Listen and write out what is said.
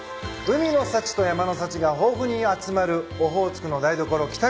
海の幸と山の幸が豊富に集まるオホーツクの台所北見市。